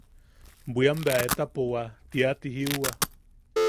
Bwiam bea etapowa teati jiuwa.